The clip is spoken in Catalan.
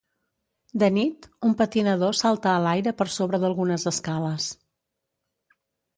De nit, un patinador salta a l'aire per sobre d'algunes escales.